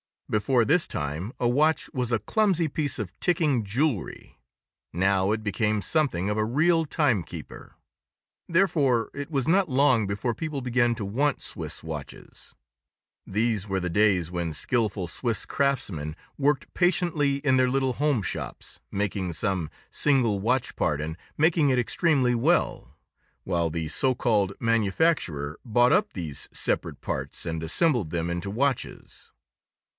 Before this time, a watch was a clumsy piece of ticking jewelry; now it became something of a real time keeper. Therefore, it was not long before people began to want Swiss watches. These were the days when skilful Swiss craftsmen worked patiently in their little home shops, making some single watch part and making it extremely well, while the so called "manufacturer" bought up these separate parts, and assembled them into watches.